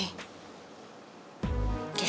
satu puluh puluh satu